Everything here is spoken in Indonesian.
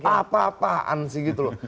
gak apa apaan sih gitu loh